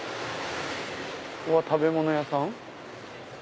ここは食べ物屋さん？